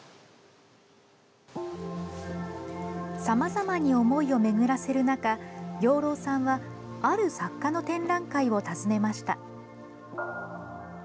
さまざまに思いを巡らせる中養老さんは、ある作家の展覧会を訪ねました。